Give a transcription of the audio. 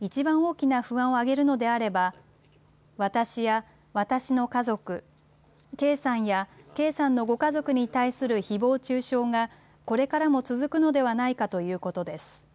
一番大きな不安を挙げるのであれば、私や私の家族、圭さんや圭さんのご家族に対するひぼう中傷がこれからも続くのではないかということです。